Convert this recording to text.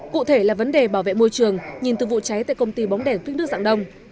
cụ thể là vấn đề bảo vệ môi trường nhìn từ vụ cháy tại công ty bóng đèn phích nước dạng đông